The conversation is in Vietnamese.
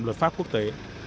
luật pháp quốc tế